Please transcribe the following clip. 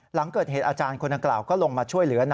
หลังเกิดเหตุอาจารย์คนดังกล่าวก็ลงมาช่วยเหลือ